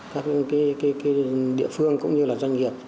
các địa phương cũng như là doanh nghiệp